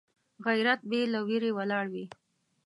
غیرت بې له ویرې ولاړ وي